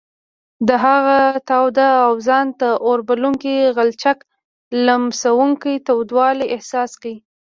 د هغه تاوده او ځان ته اوربلوونکي غلچک لمسوونکی تودوالی احساس کړ.